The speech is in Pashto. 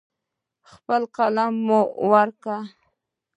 خپل قلم مه ورکوه.